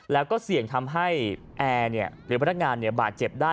แล้วก็เสี่ยงทำให้แอร์หรือพนักงานบาดเจ็บได้